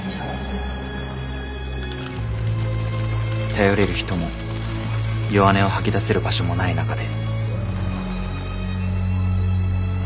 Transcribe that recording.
頼れる人も弱音を吐き出せる場所もない中で。